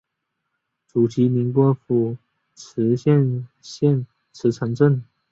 祖籍宁波府慈溪县慈城镇。